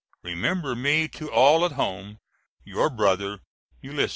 Remember me to all at home, Your brother ULYS.